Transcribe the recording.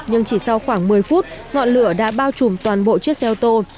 nhưng chỉ sau khoảng một mươi phút ngọn lửa đã bao trùm toàn bộ chiếc xe ô tô